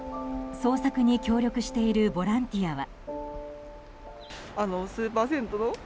捜索に協力しているボランティアは。